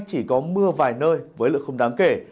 chỉ có mưa vài nơi với lượng không đáng kể